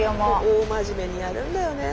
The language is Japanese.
大真面目にやるんだよね。